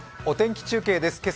お天気中継です。